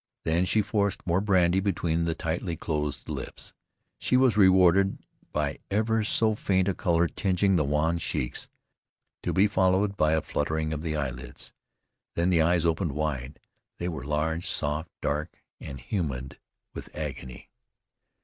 Then she forced more brandy between the tightly closed lips. She was rewarded by ever so faint a color tinging the wan cheeks, to be followed by a fluttering of the eyelids. Then the eyes opened wide. They were large, soft, dark and humid with agony.